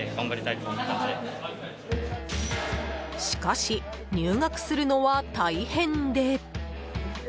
しかし、入学するのは大変で。